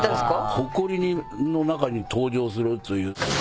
ほこりの中に登場するという。